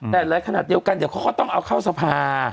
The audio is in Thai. แต่หลายขนาดเดียวกันเดี๋ยวเขาก็ต้องเอาเข้าสภา